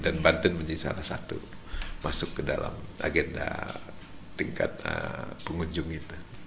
dan banten menjadi salah satu masuk ke dalam agenda tingkat pengunjungnya